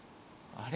あれ？